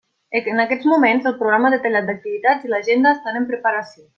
En aquests moments el programa detallat d'activitats i l'agenda estan en preparació.